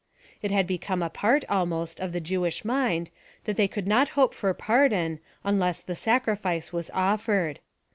It had become a part, almost, of the Jewish mind, that they could not hope for pardon, unless the sacrifice was offered.